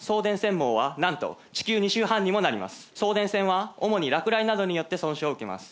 送電線は主に落雷などによって損傷を受けます。